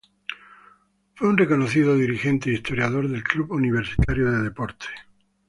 Fue un reconocido dirigente e historiador del club Universitario de Deportes.